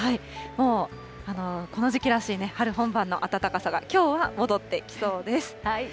もうこの時期らしいね、春本番の暖かさがきょうは戻ってきそうです。